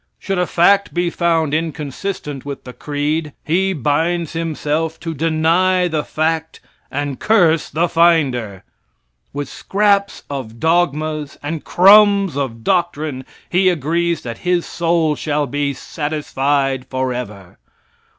Should a fact be found inconsistent with the creed, he binds himself to deny the fact and curse the finder. With scraps of dogmas and crumbs of doctrine, he agrees that his soul shall be satisfied forever.